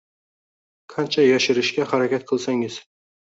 qancha yashirishga harakat qilsangiz